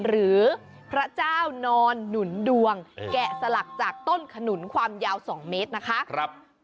หรือพระเจ้านอนหนุนดวงแกะสลักจากต้นขนุนความยาว๒เมตรนะคะ